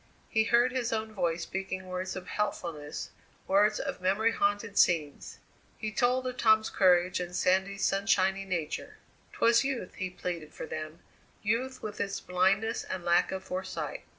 He heard his own voice speaking words of helpfulness, words of memory haunted scenes. He told of Tom's courage and Sandy's sunshiny nature. 'Twas youth, he pleaded for them, youth with its blindness and lack of foresight.